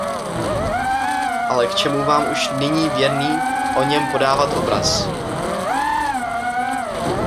Ale k čemu vám už nyní věrný o něm podávat obraz.